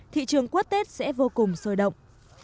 thị trường quất tết sẽ vô cùng sôi động